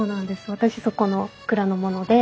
私そこの蔵の者で。